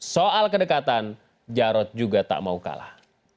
soal kedekatan jarod juga tak mau kalah